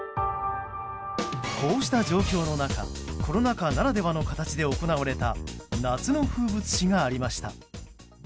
こうした状況の中コロナ禍ならではの形で行われた夏の風物詩がありました。